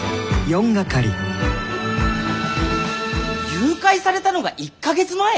誘拐されたのが１か月前！？